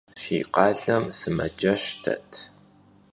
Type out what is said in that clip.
Fi khalem sımaceş det?